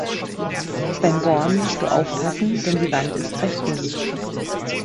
Beim Bohren musst du aufpassen, denn die Wand ist recht dünn.